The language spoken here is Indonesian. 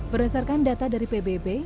berdasarkan data dari pbb